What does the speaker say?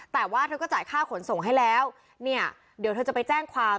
แต่ว่าเธอก็จ่ายค่าขนส่งให้แล้วเนี่ยเดี๋ยวเธอจะไปแจ้งความ